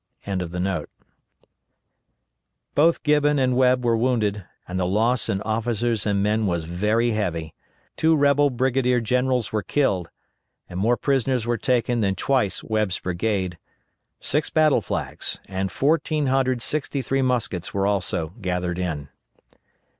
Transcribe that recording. ] Both Gibbon and Webb were wounded, and the loss in officers and men was very heavy; two rebel brigadier generals were killed, and more prisoners were taken than twice Webb's brigade; 6 battle flags, and 1,463 muskets were also gathered in.